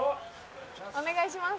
お願いします。